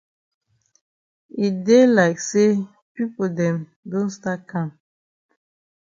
E dey like say pipo dem don stat kam.